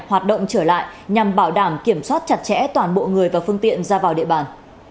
hoạt động trở lại nhằm bảo đảm kiểm soát chặt chẽ toàn bộ người và phương tiện ra vào địa bàn